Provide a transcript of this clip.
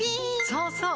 そうそう！